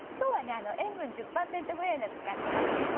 塩分１０％ぐらいのものを使っています。